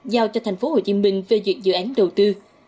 giao cho tp hcm phê duyệt dự án đầu tư